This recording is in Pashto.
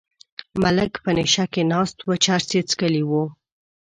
ملک په نشه کې ناست و چرس یې څکلي وو.